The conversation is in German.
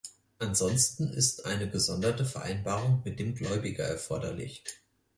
Ansonsten ist eine gesonderte Vereinbarung mit dem Gläubiger erforderlich.